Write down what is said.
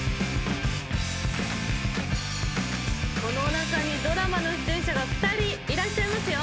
この中にドラマの出演者が２人いらっしゃいますよ。